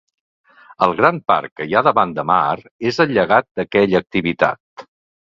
El gran parc que hi ha davant de mar és el llegat d'aquella activitat.